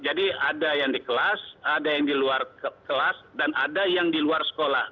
jadi ada yang di kelas ada yang di luar kelas dan ada yang di luar sekolah